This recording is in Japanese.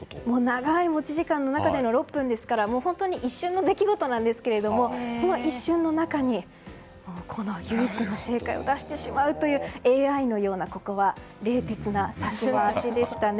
長い持ち時間の中での６分ですから一瞬の出来事なんですけどその一瞬の中に唯一の正解を出してしまうというＡＩのような冷徹な指し回しでしたね。